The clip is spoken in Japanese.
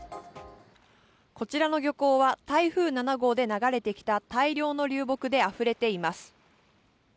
こちらの漁港は台風７号で流れてきた大量の流木であふれています。